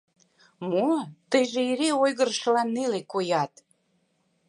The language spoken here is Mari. Мо, тыйже эре ойгырышыла неле коят?